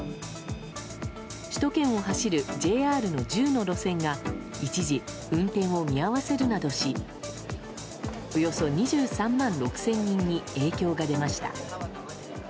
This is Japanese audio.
首都圏を走るＪＲの１０の路線が一時、運転を見合わせるなどしおよそ２３万６０００人に影響が出ました。